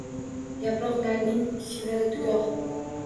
Yaproqlarning shiviri — Dugoh